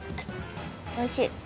おいしい。